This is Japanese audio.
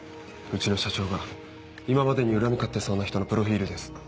うちの社長が今までに恨み買ってそうな人のプロフィルです。